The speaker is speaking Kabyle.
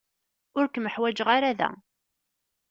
Ur kem-ḥwajeɣ ara da.